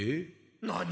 何？